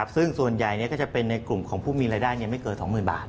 ซึ่งส่วนใหญ่ก็จะเป็นในกลุ่มของผู้มีรายได้ไม่เกิน๒๐๐๐บาท